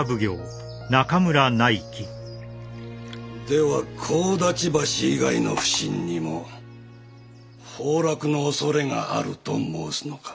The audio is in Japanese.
では神立橋以外の普請にも崩落のおそれがあると申すのか？